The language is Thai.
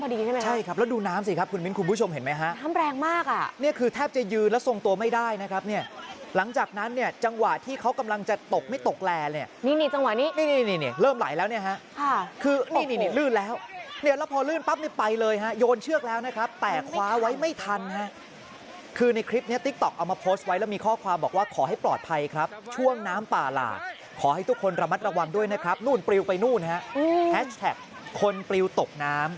ลืมล้มพอดีใช่ไหมครับใช่ครับแล้วดูน้ำสิครับคุณมินทร์คุณผู้ชมเห็นไหมฮะน้ำแรงมากอ่ะเนี่ยคือแทบจะยืนแล้วทรงตัวไม่ได้นะครับเนี่ยหลังจากนั้นเนี่ยจังหวะที่เขากำลังจะตกไม่ตกแลเนี่ยนี่จังหวะนี้นี่เริ่มไหลแล้วเนี่ยฮะคือนี่ลื่นแล้วเนี่ยแล้วพอลื่นปั๊บไปเลยฮะโยนเชือก